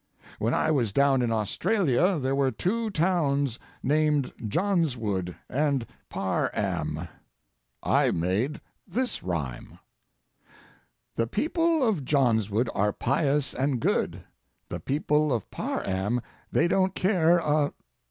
When I was down in Australia there were two towns named Johnswood and Par am. I made this rhyme: "The people of Johnswood are pious and good; The people of Par am they don't care a